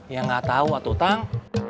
ya nggak tau atutang